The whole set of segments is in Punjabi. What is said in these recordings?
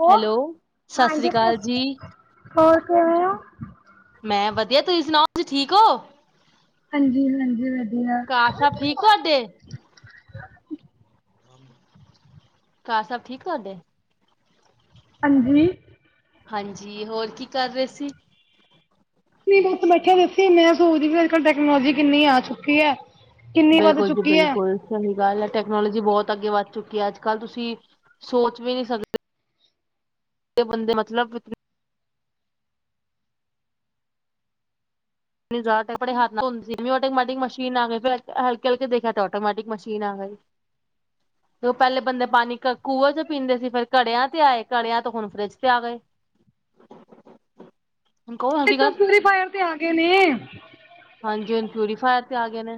ਹੋ ਹੈਲੋ, ਸਸ ਸ੍ਰੀ ਕਾਲ ਜੀ। ਹੋਰ ਕਿਵੇਂ ਹੋ? ਮੈਂ ਵਦੀਆ ਤੁਸੀਂ ਸੁਨਾਓ, ਤੁਸੀ ਸੁਨਾਓ, ਠੀਕ ਓ? ਹਾਂਜੀ ਹਾਂਜੀ ਵਧੀਆ ਘਾਰ ਸਬ ਠੀਕ ਤੁਆਡੇ? ਘਰ ਸਬ ਠੀਕ ਤੁਆਡੇ? ਹਾਂਜੀ ਹਾਂਜੀ, ਹੋਰ ਕੀ ਕਰ ਰਏ ਸੀ? ਮੈਂ ਬਸ ਬੈਠੇਆਂ ਦਸੀ ਮੈਂ ਸੋਚਦੀ ਵੀ ਅੱਜ-ਕਲ ਟੈਕਨੋਲਜੀ ਕਿੰਨੀ ਆ ਚੁੱਕੀ ਐ। ਕਿੰਨੀ ਵੱਧ ਚੁੱਕੀ ਐ। ਸਈ ਗੱਲ ਐ ਟੈਕਨੋਲਜੀ ਬੌਤ ਅੱਗੇ ਵੱਧ ਚੁੱਕੀ ਐ, ਅੱਜ- ਕੱਲ ਤੁਸੀਂ ਸੋਚ ਵੀ ਨੀਂ ਸਕ ਦੇ, ਬੰਦੇ ਮਤਲਬ ਆਪਨੇ ਹੱਥ ਨਾਲ ਧੋਂਦੇ ਸੀ। ਐਟੋਕਮੈਟਿਕ ਮਸ਼ੀਨ ਆ ਗਈ, ਫਿਰ ਹਲਕੇ -ਹਲਕੇ ਦੇਖੇਆ ਤੇ ਆਟੋਮੈਟਿਕ ਮਸ਼ੀਨ ਆ ਗਈ। ਤੇ ਓ ਪੈਲੇ ਬੰਦੇ ਪਾਨੀ ਕ, ਕੂਹ ਚ ਪੀਂਦੇ ਸੀ, ਫੇਰ ਘੜੇਆਂ ਤੇ ਆਏ ਘੜੇਆਂ ਤੋਂ ਹੁਨ ਫਰਿੱਜ ਤੇ ਆ ਗਏ। [inaudible] ਕਹੋ ਹਲਕੀ ਗੱਲ ਤੇਸੂਰੀ ਫਾਏਰ ਤੇ ਆ ਗਏ ਨੇ। ਹਾਂਜੀ, ਹੁਨ ਪਿਓਰੀਫਾਏਰ ਤੇ ਆ ਗਏ ਨੇ,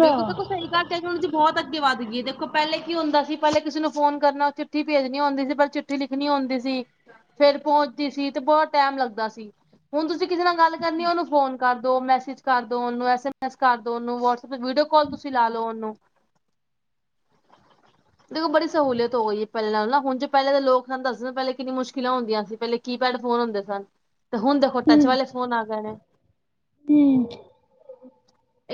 ਬਿਲਕੁਲ- ਬਿਲਕੁ ਸਈ ਗੱਲ। ਟੈਕਨੋਲਜੀ ਬੌਤ ਅੱਗੇ ਵੱਧ ਗੀ ਦੇਖੋ ਪੈਲੇ ਕੀ ਹੁੰਦਾ ਸੀ, ਪੈਲੇ ਕਿਸੀ ਨੂੰ ਫੋਨ ਕਰਨਾ, ਚਿੱਠੀ ਭੇਜਨੀ ਹੁੰਦੀ ਸੀ ਪਰ ਚਿੱ ਚਿੱਠੀ ਲਿਖਨੀ ਹੁੰਦੀ ਸੀ, ਫੇਰ ਪੋਂਚਦੀ ਸੀ, ਤੇ ਬੌਤ ਟੈਮ ਲੱਗਦਾ ਸੀ। ਹੁਨ ਤੁਸੀਂ ਕਿਸੇ ਨਾਲ ਗੱਲ ਕਰਨੀ, ਓਨੂੰ ਫੋਨ ਕਰ ਦੋ, ਮੈਸੇਜ ਕਰੋ, ਓਨੂੰ ਐਸ -ਐਮ -ਐਸ ਕਰਦੋ, ਓਨੂੰ ਵਟਸ ਫੇਰ ਵੀਡੀਓ ਕਾੱਲ ਤੁਸੀਂ ਲਾ ਲੋ ਓਨੂੰ। ਦੇਖੋ ਬੜੀ ਸਹੂਲੀਅਤ ਹੋ ਗਈ ਐ, ਪੈਲੇ ਨਾਲੋਂ ਨਾ ਉਂਜ ਪੈਲੇ ਦੇ ਲੋਕ ਸਾਨੂੰ ਦੱਸਦੇ ਪੈਲੇ ਕਿੰਨੀ ਮੁਸ਼ਕਲਾਂ ਹੁੰਦੀਆ ਸੀ, ਪੈਲੇ ਕੀ ਪੈਡ ਫੋਨ ਹੁੰਦੇ ਸਨ, ਤੇ ਹੁਨ ਦੇਖੋ ਟੱਚ ਵਾਲੇ ਫੋਨ ਆ ਗਏ ਨੇ। ਹੂੰ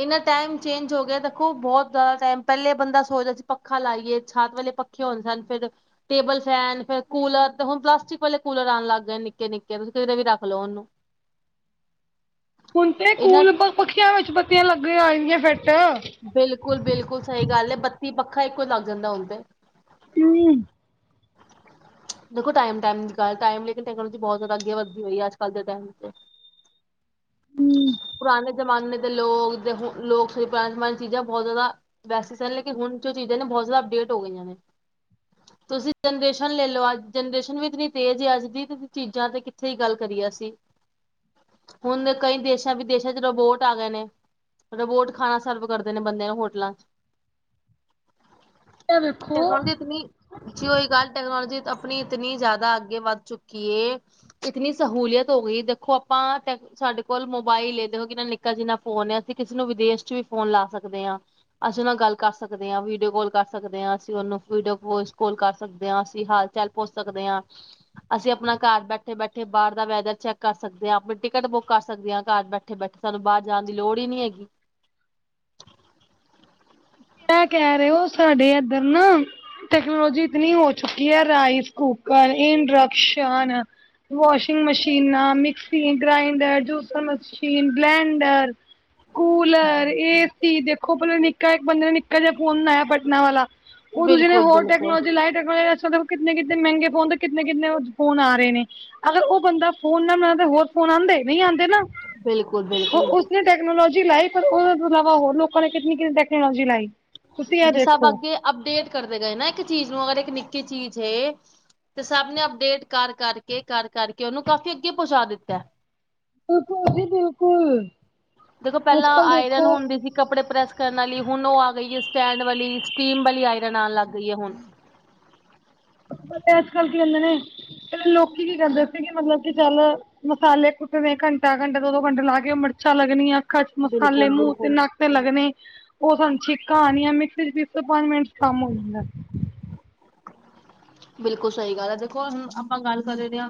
ਏਨਾ ਟੈਮ ਚੇਂਜ ਹੋ ਗੇਆ, ਦੇਖੋ ਬੌਤ ਜਾਦਾ ਟੈਮ ਪੈਲੇ ਬੰਦਾ ਸੋਚਦਾ ਸੀ, ਪੱਖਾ ਲਾਈਏ ਛੱਤ ਵਾਲੇ ਪੱ ਖੇ, ਹੁੰਦੇ ਸਨ ਫੇਰ ਟੇਬਲ ਫੈਨ, ਫੇਰ ਕੂਲਰ ਤੇ ਹੁਨ ਪਲਾਸਟਿਕ ਵਾਲੇ ਕੂਲਰ ਆਨ ਲੱਗ ਗਏ ਨਿੱਕੇ- ਨਿੱਕੇ ਤੁਸੀ ਕਿਧਰੇ ਵੀ ਰੱਖ ਲਓ ਓਨੂੰ ਹੁਨ ਤੇ ਇਹਨਾਂ ਕੂਲ ਪੱਖੀਆਂ ਵਿੱਚ ਬੱਤੀਆਂ ਲੱਗੀਆਂ ਹੋਈ ਨੇ ਫਿੱਟ ਬਿਲਕੁਲ -ਬਿਲਕੁਲ ਸਈ ਗੱਲ ਏ ਬੱਤੀ- ਪੱਖਾ ਇੱਕੋ ਲੱਗ ਜਾਂਦਾ ਹੁਨ ਤੇ ਅੰ [inaudible] ਦੇਖੋ ਟੈਮ-ਟੈਮ ਦੀ ਗੱਲ ਟੈਮ ਲੇਕਿਨ ਟੈਕਨੋਲਜੀ ਬੌਤ ਜਾਦਾ ਅੱਗੇ ਵਧਦੀ ਪਈ ਅੱਜ-ਕੱਲ ਦੇ ਟੈਮ ਤੇ ਪੁਰਾਨੇ ਜਮਾਨੇ ਦੇ ਲੋਗ ਜਾ ਹੁਨ ਲੋਕ ਪੁਰਾਨੇ ਜਮਾਨੇ ਚੀਜਾਂ ਬੌਤ ਜਾਦਾ ਵੈਸੇ ਸਨ, ਲੇਕਿਨ ਹੁਨ ਜੋ ਚੀਜਾਂ ਨੇ ਬੌਤ ਜਾਦਾ ਅਪਡੇਟ ਹੋ ਗਈਆਂ ਨੇ। [inaudible] ਤੁਸੀ ਜਨਰੇਸ਼ਨ ਲੈ ਲਓ, ਅੱਜ ਜਨਰੇਸ਼ਨ ਵੀ ਇਤਨੀ ਤੇਜ ਐ ਅੱਜ ਦੀ ਤੇ ਫੇ ਚੀਜਾਂ ਤੇ ਕਿੱਥੇ ਈ ਗੱਲ ਕਰੀਏ ਅਸੀ। ਹੁਨ ਦੇ ਕਈ ਦੇਸਾਂ ਵਿਦੇਸ਼ਾਂ 'ਚ ਰਬੋਟ ਆ ਗਏ ਨੇ, ਰਬੋਟ ਖ਼ਾਨਾ ਸਰਵ ਕਰਦੇ ਨੇ ਬੰਦੇਆਂ ਨੂੰ ਹੋਟਲਾਂ 'ਚ ਟੈਕਨੋਲਜੀ ਇਤਨੀ ਜੀ ਓਈ ਗੱਲ ਟੈਕਨੋਲਜੀ ਆਪਨੀ ਇਤਨੀ ਜਾਦਾ ਅੱਗੇ ਵੱਧ ਚੁੱਕੀ ਏ ਇਤਨੀ ਸਹੂਲੀਅਤ ਹੋ ਗਈ ਦੇਖੋ ਆਪਾਂ ਟੈ ਸਾਡੇ ਕੋਲ ਮੋਬਾਈਲ ਏ ਦੇਖੋ ਕਿੰਨਾ ਨਿੱਕਾ ਜਿੰਨਾ ਫੋਨ ਐ, ਅਸੀਂ ਕਿਸੇ ਨੂੰ ਵਿਦੇਸ਼ ਚ ਵੀ ਫੋਨ ਲਾ ਸਕਦੇ ਆ। ਅਸੀਂ ਉਨ੍ਹਾਂ ਗੱਲ ਕਰ ਸਕਦੇ ਆ, ਵੀਡੀਓ ਕੋਲ ਕਰ ਸਕਦੇ ਆ, ਅਸੀਂ ਓਨੂੰ ਵੀਡੀਓ- ਵੋਇਸ ਕੋਲ ਕਰ ਸਕਦੇ ਆ, ਅਸੀਂ ਹਾਲ-ਚਾਲ ਪੁੱਛ ਸਕਦੇ ਆ। ਅਸੀਂ ਅਪਣਾ ਘੜ ਬੈਠੇ -ਬੈਠੇ ਬਾਅਰ ਦਾ ਵੈਦਰ ਚੈੱਕ ਕਰ ਸਕਦੇ ਆ, ਅਪਣੀ ਟਿਕਟ ਬੁੱਕ ਕਰ ਸਕਦੇ ਆ ਘਰ ਬੈ ਠੇ -ਬੈਠੇ ਸਾਨੂੰ ਬਾਆਰ ਜਾਨ ਦੀ ਲੋੜ ਈ ਨੀ ਹੈਗੀ। ਐ ਕੈ ਰੇ ਓ ਸਾਡੇ ਐਧਰ ਨਾ ਟੈਕਨੋਲੋਜੀ ਇਤਨੀ ਹੋ ਚੁੱਕੀ ਐ ਰਾਈਸ- ਕੁੂਕਰ, ਇੰਡਕਸ਼ਨ, ਵਾਸ਼ਿੰਗ ਮਸ਼ੀਨਾਂ, ਮਿਕਸੀ ਗ੍ਰਾਇੰਡਰ, ਜੂਸਰ ਮਸ਼ੀ ਮਸ਼ੀਨ, ਬਲੈਂਡਰ, ਕੂਲਰ, ਏਸੀ, ਦੇਖੋ ਪੈਲੇ ਨਿੱਕਾ, ਏਕ ਬੰਦੇ ਨੇ ਨਿੱਕਾ ਜਿਆ ਫ਼ੋਨ ਬਣਾਇਆ ਬਟਨਾ ਵਾਲਾ। ਓ ਦੂਜੇ ਨੇ ਹੋਰ ਬਿਲਕੁਲ-ਬਿਲਕੁਲ, ਟੈਕਨੋਲਜੀ ਲਾਈ ਟੈਕਨੋ [unintelligible] ਕਿਤਨੇ-ਕਿਤਨੇ ਮੈਂਗੇ ਫੋਨ, ਤੇ ਕਿਤਨੇ-ਕਿਤਨੇ ਫੋਨ ਆ ਰੇ ਨੇ। ਅਗਰ ਓ ਬੰਦਾ ਫੋਨ ਨਾ ਬਣਾਂਦਾ ਹੋਰ ਫੋਨ ਆਂਦੇ, ਨਈ ਆਂਦੇ ਨਾ। ਬਿਲਕੁਲ- ਬਿਲਕੁਲ। ਉਹ ਟੈਕਨੋਲੋਜੀ ਲਾਈ ਪਰ ਉਦੇ ਤੋਂ ਅਲਾਵਾ ਹੋਰ ਲੋਕਾਂ ਨੇ ਕਿਤਨੀ, ਕਿਤਨੀ ਟੈਕਨੋਲੋਜੀ ਲਾਈ। ਤੁਸੀਂ ਇਹ ਜੇ ਸਭ ਦੇਖੋ ਅੱਗੇ ਅਪਡੇਟ ਕਰਦੇ ਗਏ ਨਾ ਏਕ ਚੀਜ਼ ਨੂੰ, ਅਗਰ ਏਕ ਨਿੱਕੀ ਚੀਜ਼ ਹੇ ਤੇ ਸਭ ਨੇ ਅਪਡੇਟ ਕਰ-ਕਰ ਕੇ, ਕਰ- ਕਰ ਕੇ, ਉਨੂੰ ਕਾਫੀ ਅੱਗੇ ਪਹੁੰਚਾ ਦਿੱਤੈ। ਬਿਲਕੁਲ ਜੀ ਬਿਲਕੁਲ। ਦੇਖੋ ਅੱਜ ਪੈਲਾਂ ਕੱਲ ਆਇਰਨ ਦੇਖੋ ਹੁੰਦੀ ਸੀ ਕੱਪੜੇ ਪ੍ਰੈਸ ਕਰਨ ਅਲੀ, ਹੁਨ ਓ ਆ ਗਈ ਐ ਸਟੈਂਡ ਵਾਲੀ, ਸਟੀਮ ਵਾਲੀ ਆਇਰਨ ਆਨ ਲੱਗ ਗਈ ਐ ਹੁਣ। ਪਤੈ ਅੱਜ ਕੱਲ ਕੀ ਹੁੰਦੇ ਨੇ, ਪੈਲੇ ਲੋਕੀ ਕੀ ਕਰਦੇ ਸੀ ਕਿ ਮਤਲਬ ਕਿ ਚੱਲ ਮਸਾਲੇ ਕੁੱਟਨੇ ਘੰਟਾ-ਘੰਟਾ, ਦੋ- ਦੋ ਘੰਟੇ ਲਾ ਕੇ ਓ ਮਿਰਚਾਂ ਲੱਗਨੀਆਂ ਅੱਖਾਂ ਚ ਮਸਾਲੇ, ਮੂਅ ਤੇ, ਬਿਲਕੁਲ-ਬਿਲਕੁਲ। ਬਿਲਕੁਲ ਨੱਕ ਤੇ ਲੱਗਨੇ ਓ ਸਾਨੂੰ ਛਿੱਕਾ ਆਨੀਆਂ, ਮਿਕਸੀ ਚ ਪੀਸੋ ਪੰਜ ਮਿੰਟ ਚ ਕੰਮ ਹੋ ਜਾਂਦੈ। ਬਿਲਕੁਲ ਸਈ ਗੱਲ ਐ, ਦੇਖੋ ਹੁਣ ਆਪਾਂ ਗੱਲ ਕਰੇ ਦੇ ਆ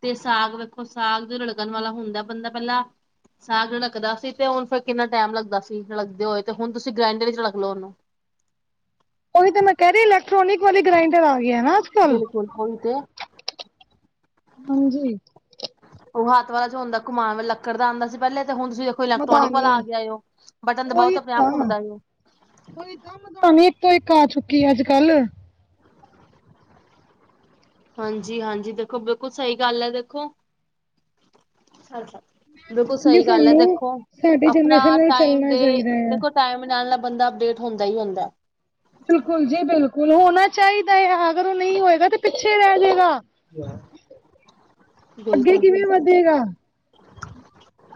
ਤੇ ਸਾਗ ਵੇਖੋ, ਸਾਗ ਜੋ ਰਿੜਕਣ ਵਾਲਾ ਹੁੰਦਾ ਬੰਦਾ ਪੈਲਾਂ ਸਾਗ ਰਿੜਕਦਾ ਸੀ ਤੇ ਓਨ ਫੇਰ ਕਿੰਨਾ ਟੈਮ ਲੱਗਦਾ ਸੀ ਰਿੜਕਦੇ ਹੋਏ, ਤੇ ਹੁਨ ਤੁਸੀਂ ਗ੍ਰਾਇੰਡਰ ਚ ਰਿੜਕ ਲਓ ਓਨੂੰ। ਓਹੀ ਤਾਂ ਮੈਂ ਕੈ ਰੀ ਇਲੈਕਟ੍ਰੋਨਿਕ ਵਾਲੀ ਗ੍ਰਾਇੰਡਰ ਆ ਗਈ ਏ ਨਾ ਅੱਜ ਕ ਬਿਲਕੁਲ, ਓਹੀ ਤੇ। ਹਾਂਜੀ। ਓਹ ਹੱਥ ਵਾਲਾ ਜੋ ਹੁੰਦਾ ਗੁਮਾਨ ਵਾਲਾ ਲੱਕੜ ਦਾ ਆਂਦਾ ਸੀ ਪੈਲੇ, ਤੇ ਹੁਨ ਤੁਸੀਂ ਵੇ ਪਤਾ ਇਲੈਕਟ੍ਰੋਨਿਕ ਵਾਲਾ ਨੀ ਆ ਗਿਆ ਏ ਓ, ਬਟਨ ਦਬਾਓ ਤੇ ਅਪਣੇ ਆਪ ਘੁੰਮਦਾ ਏ ਓ। ਓਹੀ ਤਾ ਮੈਕੋਨੀ, ਏਕ ਤੋ ਏਕ ਆ ਚੁੱਕੀ ਐ ਅੱਜ ਕੱਲ। ਹਾਂਜੀ- ਹਾਂਜੀ, ਦੇਖੋ ਬਿਲਕੁਲ ਸਈ ਗੱਲ ਐ ਦੇਖੋ। ਬਿਲਕੁਲ ਕਹਿੰਦੀ ਸਈ ਗੱਲ ਐ ਸਾਨੂੰ ਦੇਖੋ, ਸਾਡੀ ਅਪਣਾ ਜਨਰੇਸ਼ਨ ਨਾਲ ਟਾਈਮ ਚੱਲਣਾ ਦੇ ਚਾਹੀਦਾ ਆ ਦੇਖੋ ਟਾਈਮ ਨਾਲ ਨਾ ਬੰਦਾ ਅਪਡੇਟ ਹੁੰਦਾ ਹੀ ਹੁੰਦਾ। ਬਿਲਕੁਲ ਜੀ ਬਿਲਕੁਲ, ਹੋਣਾ ਚਾਈਦਾ ਏ ਅਗਰ ਓ ਨਈ ਹੋਏਗਾ ਤੇ ਪਿੱਛੇ ਰੈ ਜਾਏਗਾ। ਅੱਗੇ ਕਿਵੇਂ ਬਿਲਕੁਲ-ਬਿਲਕੁਲ। ਵਧੇਗਾ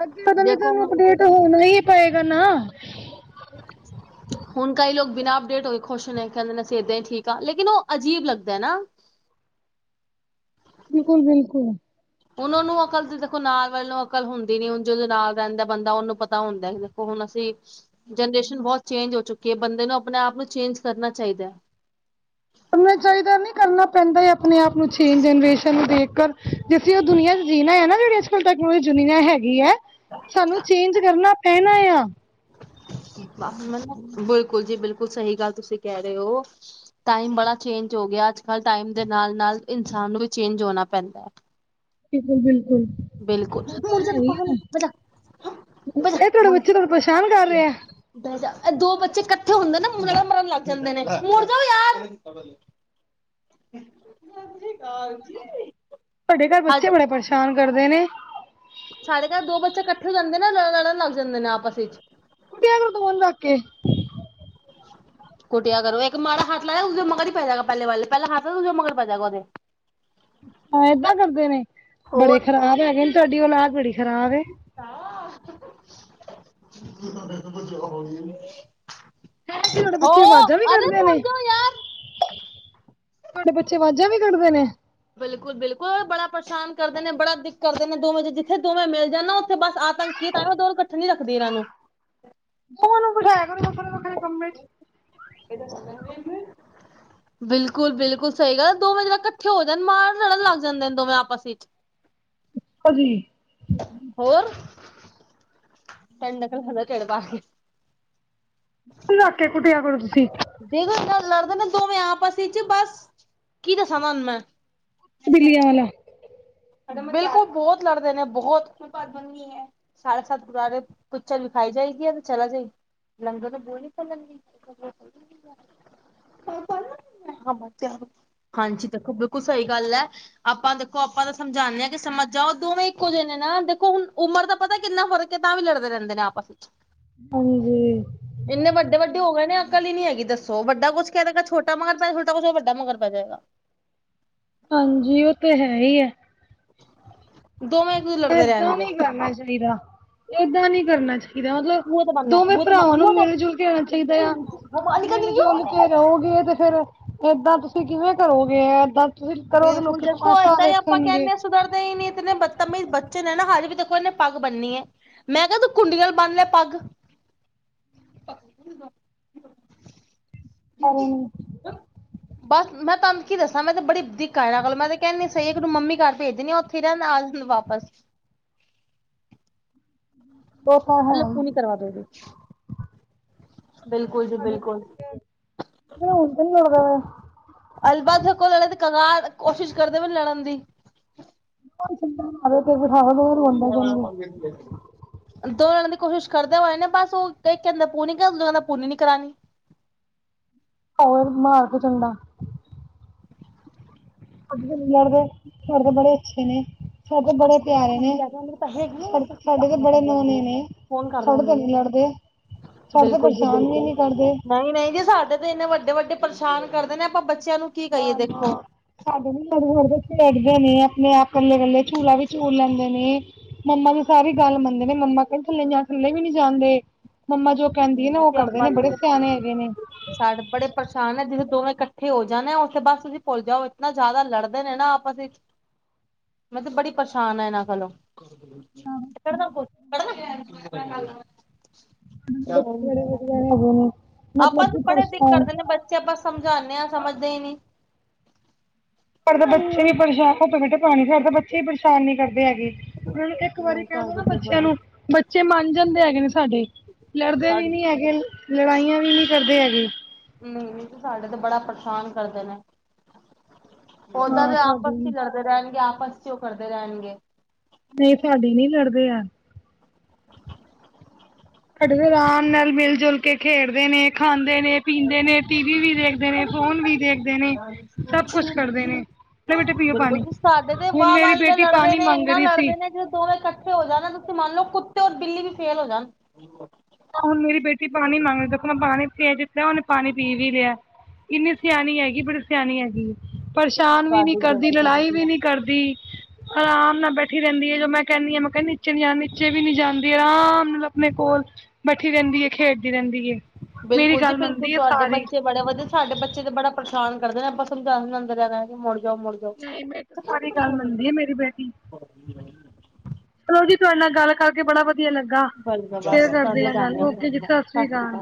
ਅੱਗੇ ਓਦੇ ਲਈ ਦੇਖੋ ਤਾਂਨੂੰ ਹੁਣ ਅਪਡੇਟ ਹੋਨਾ ਹੀ ਪਏਗਾ ਨਾ। [unintelligible] ਹੁਨ ਕਈ ਲੋਗ ਬਿਨਾ ਅਪਡੇਟ ਹੋਏ ਖੁਸ਼ ਨੇ, ਕੈਂਦੇ ਨੇ ਅਸੀਂ ਏਦਾਂ ਈ ਠੀਕ ਆ ਲੇਕਿਨ ਓ ਅਜੀਬ ਲੱਗਦੈ ਨਾ। ਬਿਲਕੁਲ-ਬਿਲਕੁਲ। ਓਨਾਂ ਨੂੰ ਅਕਲ ਤੇ ਦੇਖੋ ਨਾਲ ਵੱਲ ਨੂੰ ਅਕਲ ਹੁੰਦੀ ਨੀ, ਹੁਨ ਜੋ ਉਦੋਂ ਨਾਲ ਰੈਂਦਾ ਬੰਦਾ ਉਨੂੰ ਪਤਾ ਹੁੰਦਾ। ਹੁਣ ਅਸੀਂ, ਜਨਰੇਸ਼ਨ ਬਹੁਤ ਚੇਂਜ ਹੋ ਚੁੱਕੀ ਐ ਬੰਦੇ ਨੂੰ ਅਪਨੇ ਆਪ ਨੂੰ ਚੇਂਜ ਕਰਨਾ ਚਾਈਦੈ। ਕਰਨਾ ਚਾਈਦੈ ਨੀ, ਕਰਨਾ ਪੈਂਦਾ ਏ ਅਪਨੇ ਆਪ ਨੂੰ ਚੇਂਜ ਜਨਰੇਸ਼ਨ ਨੂੰ ਦੇਖ ਕਰ। ਜੇ ਅਸੀਂ ਓ ਦੁਨੀਆਂ ਚ ਜੀਨਾ ਐ ਨਾ ਜੇੜੀ ਅੱਜ ਕੱਲ ਟੈਕਨਲਜੀ ਦੁਨੀਆਂ ਹੈਗੀ ਹੈ। ਸਾਨੂੰ ਚੇਂਜ ਕਰਨਾ ਪੈਣਾ ਏਆ। ਬਿਲਕੁਲ ਜੀ ਬਿਲਕੁਲ ਸਹੀ ਗੱਲ ਤੁਸੀਂ ਕਹਿ ਰਹੇ ਓ। ਟਾਈਮ ਬੜਾ ਚੇਂਜ ਹੋ ਗਿਆ ਅੱਜ-ਕੱਲ੍ਹ ਟਾਈਮ ਦੇ ਨਾਲ-ਨਾਲ ਇਨਸਾਨ ਨੂੰ ਵੀ ਚੇਂਜ ਹੋਣਾ ਪੈਂਦੈ। ਬਿਲਕੁਲ-ਬਿਲਕੁਲ, ਬਿਲਕੁਲ ਉਹ ਤਾਂ ਮੁੜ ਜਾ ਤੂੰ ਹੈ ਈ ਪਾਗਲ ਐ। ਬਹਿਜਾ ਬਹਿਜਾ ਇਹ ਤੁਹਾਡੇ ਮੁੜ ਬੱਚੇ ਤੁਹਾਨੂੰ ਪਰੇਸ਼ਾਨ ਕਰ ਰੇ ਐ। ਦੋ ਬੱਚੇ ਇਕੱਠੇ ਹੁੰਦੇ ਨਾ ਲੜਨ-ਮਰਨ ਲੱਗ ਜਾਂਦੇ ਨੇ, ਮੋੜ ਜੋ ਯਾਰ। [unintelligible] [inaudible] ਤਾਡੇ ਘਰ ਬੱਚੇ ਹਜ ਬੜਾ ਪਰੇਸ਼ਾਨ ਕਰਦੇ ਨੇ? ਸਾਡੇ ਘਰ ਦੋ ਬੱਚੇ ਇਕੱਠੇ ਹੋ ਜਾਂਦੇ ਨੇ ਲੜਨ- ਲੜਨ ਲੱਗ ਜਾਂਦੇ ਨੇ ਆਪਸ ਵਿੱਚ। ਕੁੱਟਿਆ ਕਰੋ ਦੋਵਾਂ ਨੂੰ ਰੱਖ ਕੇ। [inaudible] ਕੁੱਟਿਆ ਕਰੋ, ਇੱਕ ਮਾੜਾ ਹੱਥ ਲਾਇਆ ਮਗਰ ਹੀ ਪੈ ਜਾਗਾ ਪੈਲੇ ਵਾਲੇ, ਪਹਿਲਾਂ ਹਥ ਲਾ ਦ ਉਹਦੇ ਮਗਰ ਪੈ ਜਾਗਾ ਉਹਦੇ। ਹਾਂ, ਏਦਾਂ ਕਰਦੇ ਨੇ, ਬੜੇ ਹੋਰ ਖ਼ਰਾਬ ਹੈਗੇ ਨੇ ਤੁਹਾਡੀ ਔਲਾਦ ਬੜੀ ਖ਼ਰਾਬ ਏ। ਜ। ਤੁ ਤਾ ਕੁਛ ਬੋਲਦੀ ਨਹੀਂ। ਹੈ ਕਿ ਤੁਹਾਡੇ ਬੱਚੇ ਹੋ, ਆਵਾਜ਼ਾਂ ਵੀ ਅਰੇ ਕੱਢਦੇ ਮੋੜ ਨੇ ਜੋ ਯਾਰ। ਤੁਹਾਡੇ ਬੱਚੇ ਵਾਜ਼ਾਂ ਵੀ ਕੱਢਦੇ ਨੇ। ਬਿਲਕੁਲ- ਬਿਲਕੁਲ ਬੜਾ ਪਰੇਸ਼ਾਨ ਕਰਦੇ ਨੇ, ਬੜਾ ਦਿੱਕ ਕਰਦੇ ਨੇ, ਦੋਵੇਂ ਜਿੱਥੇ ਦੋਵੇਂ ਮਿਲ ਜਾ ਨਾ ਉੱਥੇ ਬਸ ਅੱਤ ਦੋਨਾ ਇਕੱਠ ਨੀ ਰੱਖਦੀ ਇਹਨਾਂ ਨੂੰ। ਦੋਵਾਂ ਨੂੰ ਬੈਠਾਇਆ ਕਰੋ ਵੱਖਰੇ-ਵੱਖਰੇ ਕਮਰੇ ਚ'। ਇਹ ਤਾਂ ਫਿਲਮ ਵੇਖ ਰੇ ਬਿਲਕੁਲ-ਬਿਲਕੁਲ ਸਹੀ ਗੱਲ ਦੋਵੇਂ ਜਨੇ ਕੱਠੇ ਹੋ ਜਨ ਮਾਰ ਲੜਨ ਲੱਗ ਜਾਂਦੇ ਨੇ ਦੋਵੇਂ ਆਪਸ ਵਿਚ। ਅੱਛਾ ਜੀ। ਹੋਰ। [unintelligible] ਰੱਖ ਕੇ ਕੁੱਟਿਆ ਕਰੋ ਤੁਸੀਂ। ਦੇਖੋ ਲੜਦੇ ਨੇ ਦੋਵੇਂ ਆਪਸ ਚ' ਬਸ ਕੀ ਦੱਸਾਂ ਤੁਹਾਨੂੰ ਮੈਂ ਬਿੱਲੀਆਂ ਵਾਲਾ। ਬਿਲਕੁਲ ਬਹੁਤ ਲੜਦੇ ਨੇ ਬਹੁਤ ਸਾਢੇ ਸਤ ਗੁੁਰਦਾਰੇ ਪਿੱਚਰ ਵਿਖਾਈ ਜਾਏਗੀ ਚਲਾ ਜਾਈ, ਲੰਗਰ ਦੇ ਬੁਹੇ ਨਹੀਂ ਖੋਲਣਗੇ। [unintelligible] ਹਾਂਜੀ। ਦੇਖੋ, ਬਿਲਕੁਲ ਸਹੀ ਗੱਲ ਐ, ਆਪਾਂ ਦੇਖੋ ਆਪਾਂ ਤਾਂ ਸਮਝਾਨੇ ਆਂ ਕਿ ਸਮਝ ਜਾਓ ਦੋਵੇਂ ਇੱਕੋ ਜਿਹੇ ਨੇ ਨਾ ਦੇਖੋ ਹੁਣ ਉਮਰ ਦਾ ਪਤਾ ਕਿੰਨਾ ਫਰਕ ਏ, ਤਾਂ ਵੀ ਲੜਦੇ ਰਹਿੰਦੇ ਨੇ ਆਪਸ [inaudible] ਹਾਂਜੀ। ਇੰਨੇ ਵੱਡੇ -ਵੱਡ ਹੋ ਗਏ ਨੇ ਅਕਲ ਹੀ ਨੀ ਹੈਗੀ ਦੱਸੋ ਵੱਡਾ ਕੁਛ ਕਹਿ ਦੇਗਾ ਛੋਟਾ ਮਾਰ ਪੈ ਛੋਟਾ ਕੁਛ ਵੱਡਾ ਮਗਰ ਪੈ ਜੇਗਾ। ਹਾਂਜੀ, ਉਹ ਤੇ ਹੈ ਈ ਹੈ। ਦੋਵੇਂ ਇੱਕ ਲੜਦੇ ਏਦਾਂ ਰਹਿਣਗੇ ਨਹੀਂ ਕਰਨਾ ਚਾਹੀਦਾ, ਏਦਾਂ ਨਹੀਂ ਕਰਨਾ ਚਾਹੀਦਾ। ਇਦਾ ਬੂਹੇ ਤੇ ਮਤਲਬ ਬੰਦ ਲੈ ਦੋਵੇਂ ਬੂਹੇ ਤੇ ਭਰਾਵਾਂ ਨੂੰ ਬੂਹੇ ਤੋਂ ਮਿਲ- ਜੁਲ ਕੇ ਰਹਿਣਾ ਚਾਹੀਦਾ ਏ ਆ। ਮਿਲ- ਜੁਲ ਕੇ ਰਹੋਗੇ ਤੇ ਫੇਰ ਏਦਾਂ ਤੁਸੀਂ ਕਿਵੇਂ ਕਰੋਗੇ ਤੁਸੀਂ ਕਰੋਗੇ ਬਿਲਕੁਲ ਲੋਕੀ ਦੇਖੋ ਤਮਾਸ਼ਾ ਏਦਾਂ ਹੀ ਆਪਾਂ ਵੇਖਣਗੇ। ਕਹਿੰਦੇ ਹਾਂ ਸੁਧਰਦੇ ਹੀ ਨੀ ਇਤਨੇ ਬਦਤਮੀਜ਼ ਬੱਚੇ ਨੇ ਨਾ ਹਜੇ ਵੀ ਦੇਖੋ ਇਹਨੇ ਪੱਗ ਬੰਨੀਏ। ਮੈਂ ਕਿਹਾ ਤੂੰ ਖੁੰਡੀਆਂ ਨੂੰ ਬੰਨ ਲੈ ਪੱਗ। [inaudible] ਪਰ ਬਸ ਮੈਂ ਤਾਨ ਕੀ ਦੱਸਾਂ ਮੈਂ ਤੇ ਬੜੀ ਦਿੱਕ ਆ ਇਹਨਾਂ ਕੋਲ ਮੈਂ ਤੇ ਕਹਿੰਨੀ ਤੇ ਇੱਕ ਦਿਨ ਮੰਮੀ ਘਰ ਭੇਜ ਦੇਣੀ ਆ, ਉੱਥੇ ਰਹਨਾ ਆ ਜਾਂਦਾ ਵਾਪਸ। ਤਾਂ ਹੈ ਹੀ ਅੱਪੂ ਨੀ ਕਰਵਾ ਦਗੀ [unintelligible] ਹੁ ਤੇ ਨੀ [unintelligible] ਅਲਬ ਕੋ ਲੜ ਤੇ ਕਗ ਕੋਸ਼ਿਸ਼ ਕਰਦੇ ਵੀ ਲੜਨ ਦੀ ਮ ਤੇ ਬਿਠਾੋ ਰੋਂਂਦਾ ਜਾਗੇ [unintelligible] [inaudible] ਦੋਵੇ ਲੜਨ ਦੀ ਕੋਸ਼ਿਸ਼ ਕਰਦੇ ਹੋਏ ਨੇ, ਬਸ ਉਹ ਕੰਦਾ ਪੂਰੀ ਕਰਾਦੇ ਦੂਜੇ ਕਦਾ ਪੂਰੀ ਨੀ ਕਰਾਣੀ। ਹੋਰ ਮਾਰ ਦੋ ਚਡਾ। ਸਾਡੇ ਤੇ ਨਹੀਂ ਲੜਦੇ ਸਾਡੇ ਤੇ ਬੜੇ ਅੱਛੇ ਨੇ। ਸਾਡੇ ਤੇ ਬੜੇ ਅੱਛਾ ਚੱਲਾਂਗੇ ਪਿਆਰੇ ਨੇ, ਮੰਮੀ ਲੈ ਕੇ ਆਉਣਗੇ ਪੈਸੇ ਹੈਗੇ ਆ ਸਾ ਹਾਂ ਸਾਡੇ ਤੇ ਬੜੇ ਪੈਸੇ ਹੈਗੇ ਨੋਣੇ ਨੇ। ਫੋਨ ਕਰ ਦੋ ਸਾਡੇ ਮੰਮੀ ਤੇ ਨੂੰ ਨਹੀਂ ਲੜਦੇ, ਸਾਡੇ ਤੇ ਪਰੇਸ਼ਾਨ ਵੀ ਨੀ ਕਰਦੇ। ਨਹੀਂ-ਨਹੀਂ ਜੀ ਸਾਡੇ ਤੇ ਇੰਨੇ ਵੱਡੇ-ਵੱਡੇ ਪਰੇਸ਼ਾਨ ਕਰਦੇ ਨੇ, ਆਪਾਂ ਬੱਚਿਆਂ ਨੂੰ ਕੀ ਕਹੀਏ ਨਾ- ਨਾ। ਦੇਖੋ ਸਾਡੇ ਵੀ ਲੜ-ਲੜ ਕੇ ਖੇਡਦੇ ਨੇ, ਆਪਣੇ ਆਪ ਇਕੱਲੇ-ਇਕੱਲੇ ਝੋਲਾ ਵੀ ਝੂਲ ਲੈਂਦੇ ਨੇ। ਮੰਮਾ ਦੀ ਸਾਰੀ ਗੱਲ ਮੰਨਦੇ ਨੇ, ਮੰਮਾ ਕਹਿੰਦੇ ਥੱਲੇ ਜਾਨਾਂ ਥੱਲੇ ਵੀ ਨਹੀਂ ਜਾਂਦੇ। ਮੰਮਾ ਜੋ ਕਹਿੰਦੀ ਹੈ ਨਾ ਉਹ ਤੇ ਕਰਦੇ ਆਪਾਂ ਨੇ ਬੜੇ ਤੇ ਸਿਆਣੇ ਹੈਗੇ ਨੇ। ਸਾਡੇ ਬੜੇ ਪਰੇਸ਼ਾਨ ਨੇ ਜਿੱਥੇ ਦੋਵੇਂ ਇਕੱਠੇ ਹੋ ਜਾਣ ਆ, ਉਥੇ ਬਸ ਤੁਸੀਂ ਭੁੱਲ ਜਾਓ ਇਤਨਾ ਜ਼ਿਆਦਾ ਲੜਦੇ ਨੇ ਨਾ ਆਪਸ ਵਿੱਚ। ਮੈਂ ਤੇ ਬੜੀ ਪਰੇਸ਼ਾਨ ਆ ਇਹਨਾਂ ਕਲੋਂ। ਤੇ ਕਟਦਾ ਫੋਨ ਕਟਦਾ [unintelligible] ਬੱਚੇ ਬੜੇ ਵਧੀਆ ਹੈਗੇ ਨੇ ਆਪਾਂ ਮਤਲਬ ਵੀ ਕਿ ਬੜੇ ਦਿੱਖ ਪਰੇਸ਼ਾਨ ਕਰਦੇ ਨੇ ਬੱਚੇ [unintelligible] ਆਪਾਂ ਸਮਝਾਉਦੇ ਹਾਂ ਸਮਝਦੇ ਹੀ ਨਹੀਂ। ਪਰ ਤਾਂ ਬੱਚੇ ਵੀ ਪਰੇਸ਼ਾਨ ਘੁਪੇ ਬੈਠੇ ਪਾਣੀ ਫ ਬੱਚੇ ਵੀ ਪਰੇਸ਼ਾਨ ਨੀ ਕਰਦੇ ਹੈਗੇ ਨਾਲੇ ਇੱਕ ਵਾਰੀ ਨਹੀਂ ਕਹਿ ਦੋ ਸਾਡੇ ਨਾ ਤੇ ਬੱਚਿਆਂ ਬੜਾ ਨੂੰ ਬੱਚੇ ਮੰਨ ਜਾਂਦੇ ਹੈਗੇ ਨੇ ਸਾਡੇ। ਲੜਦੇ ਵੀ ਸਾਡੇ ਨਹੀਂ ਹੈਗੇ, ਲੜਾਈਆਂ ਵੀ ਨਹੀਂ ਕਰਦੇ ਹੈਗੇ। ਨਹੀਂ- ਨਹੀਂ ਤੇ ਸਾਡੇ ਤੇ ਬੜਾ ਪਰੇਸ਼ਾਨ ਕਰਦੇ ਨੇ। ਉਓਦਾਂ ਹਾਂ ਦੇ ਆਪਸ ਸਾਡੇ ਚ ਲੜਦੇ ਰਹਿਣਗੇ, ਆਪਸ ਚ ਉਹ ਕਰਦੇ ਰਹਿਣਗੇ। ਨਹੀਂ ਸਾਡੇ ਨਹੀਂ ਲੜਦੇ ਆ। [inaudible] ਸਾਡੇ ਤੇ ਅਰਾਮ ਨਾਲ ਮਿਲ ਜੁਲ ਕੇ ਖੇਡਦੇ ਨੇ, ਖਾਂਦੇ ਨੇ ਪੀਂਦੇ ਨੇ, ਟੀ ਵੀ ਵੀ ਦੇਖਦੇ ਨੇ। ਫੋਨ ਵੀ ਦੇਖਦੇ ਨੇ, ਸਭ ਕੁਛ ਕਰਦੇ ਨੇ। ਲੈ ਬੇਟੇ ਪੀਓ ਪਾਣੀ। ਬਿਲਕੁਲ ਜੀ ਸਾਡੇ ਤੇ ਹੁਣ ਵਾਹ-ਵਾਹ ਮੇਰੀ ਇਨੇ ਬੇਟੀ ਲੜਦੇ ਪਾਣੀ ਨੇ, ਮੰਗ ਇੰਨਾ ਰਹੀ ਸੀ। ਲੜਦੇ ਨੇ ਜਦ ਦੋਵੇਂ ਇਕੱਠੇ ਹੋ ਜਾਣਾ ਤੁਸੀਂ ਮੰਨ ਲਓ ਕੁੱਤੇ ਔਰ ਬਿੱਲੀ ਵੀ ਫੇਲ ਹੋ ਜਾਣ। ਹੁਣ ਮੇਰੀ ਬੇਟੀ ਪਾਣੀ ਮੰਗਦੀ ਦੇਖੋ ਮੈਂ ਪਾਣੀ ਪਿਆ ਦਿੱਤਾ ਹੈ, ਉਹਨੇ ਪਾਣੀ ਪੀ ਵੀ ਲਿਆਂ ਏ। ਇੰਨੀ ਸਿਆਣੀ ਹੈਗੀ। ਬੜੀ ਸਿਆਣੀ ਹੈਗੀ। ਪਰੇਸ਼ਾਨ ਵੀ ਨੀ ਤੁਹਾਡੀ ਕਰਦੀ, ਬੇਟੀ ਤਾਂ ਲੜਾਈ ਵੀ ਵਧੀਆ ਨੀ ਕਰਦੀ। ਆਰਾਮ ਨਾਲ ਬੈਠੀ ਰਹਿੰਦੀ ਹੈ, ਜੋ ਮੈਂ ਕਹਿੰਦੀ ਹਾਂ ਮੈਂ ਕਹਿੰ ਨੀਚੇ ਨੀ ਜਾਣਾ, ਨੀਚੇ ਵੀ ਨੀ ਜਾਂਦੀ ਆਰਾਮ ਨਾਲ ਆਪਣੇ ਕੋਲ ਬੈਠੀ ਰਹਿੰਦੀ ਏ, ਖੇਡਦੀ ਰਹਿੰਦੀ ਏ। ਮੇਰੀ ਬਿਲਕੁਲ ਜੀ ਗੱਲ ਬਿਲਕੁਲ ਮੰਨਦੀ ਤੁਹਾਡੇ ਸਾਰੀ। ਬੱਚੇ ਬੜੇ ਵਧੀਆ। ਸਾਡੇ ਬੱਚੇ ਤੇ ਬੜਾ ਪਰੇਸ਼ਾਨ ਕਰਦੇ ਨੇ ਆਪਾਂ ਸਮਝਾ ਸਮੰਣਾ ਮੁੜ ਜਾਓ ਮੁੜ ਜਾਓ ਨਹੀਂ ਮੈਂਰੀ ਤਾਂ ਸਾਰੀ ਗੱਲ ਮੰਨਦੀ ਏ ਮੇਰੀ ਬੇਟੀ। ਚਲੋ ਜੀ ਤੁਹਾਡੇ ਨਾਲ ਗੱਲ ਕਰਕੇ ਬੜਾ ਵਧੀਆ ਲੱਗਾ। ਬਸ ਬਸ ਫੇਰ ਕਰਦੇ ਤੁਹਾਨੂੰ ਆ ਲਗਾਉਂਦੇ ਗੱਲ ਫੋਨ ਓਕੇ ਜਿ ਦੁਬਾਰਾ ਸਤ ਸ਼੍ਰੀ ਸਤਿ ਅਕਾਲ।